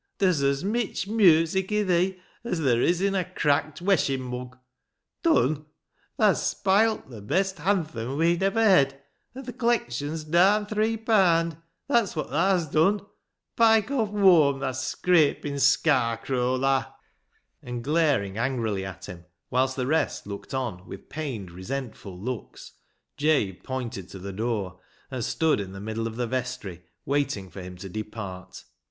" Ther's as mitch music i' thee as ther' is in a cracked weshing mug ! Dun ? Tha's spilt the best hanthum we'en iver hed, an' th' collection's daan three paand ; that's wot tha's done ! Pike off whooam, thaa scraping scarrcrow thaa !" And glaring angrily at him, whilst the rest looked on with pained, resentful looks, Jabe pointed to the door, and stood in the middle of the vestry, waiting for him to depart.